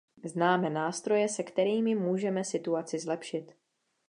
Známe nástroje, se kterými můžeme situaci zlepšit.